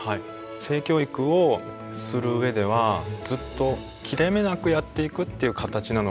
性教育をする上ではずっと切れ目なくやっていくっていう形なのかなと思いましたね。